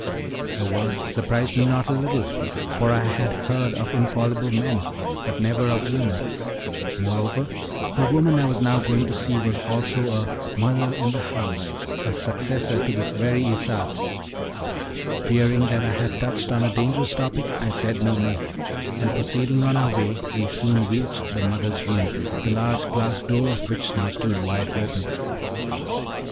Her words surprised me not a little, for I had heard of infallible men, but never of women; moreover, the woman I was now going to see was also a "mother in the house," a successor to this very Isarte. Fearing that I had touched on a dangerous topic, I said no more, and proceeding on our way, we soon reached the mother's room, the large glass door of which now stood wide open.